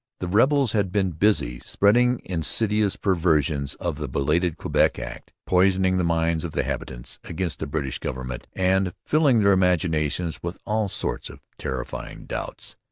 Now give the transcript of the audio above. The rebels had been busy spreading insidious perversions of the belated Quebec Act, poisoning the minds of the habitants against the British government, and filling their imaginations with all sorts of terrifying doubts.